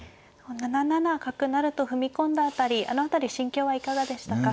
７七角成と踏み込んだ辺りあの辺り心境はいかがでしたか。